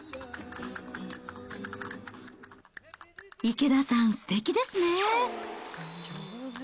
池田さん、すてきですね。